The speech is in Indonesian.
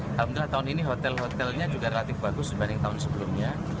alhamdulillah tahun ini hotel hotelnya juga relatif bagus dibanding tahun sebelumnya